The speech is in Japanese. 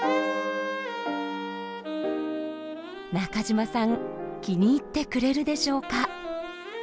中嶋さん気に入ってくれるでしょうか？